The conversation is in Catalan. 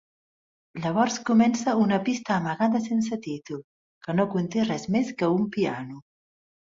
Llavors comença una pista amagada sense títol, que no conté res més que un piano.